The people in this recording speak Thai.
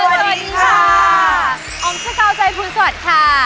ฮายภิกษาภิกษาภิกษาค่ะค่ะ